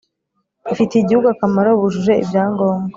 ifitiye igihugu akamaro bujuje ibyangombwa